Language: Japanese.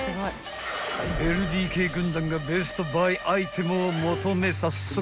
［ＬＤＫ軍団がベストバイアイテムを求め早速物色］